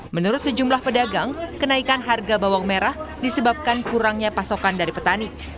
menurut sejumlah pedagang kenaikan harga bawang merah disebabkan kurangnya pasokan dari petani